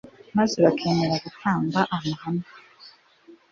maze bakemera gutamba amahame